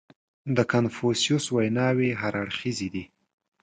• د کنفوسیوس ویناوې هر اړخیزې دي.